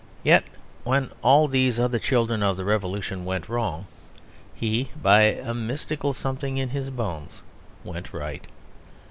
Yet when all these other children of the revolution went wrong he, by a mystical something in his bones, went right.